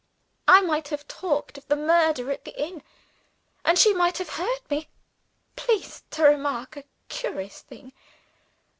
I might have talked of the murder at the inn; and she might have heard me. Please to remark a curious thing.